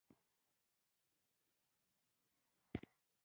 چټي خبري مه کوه !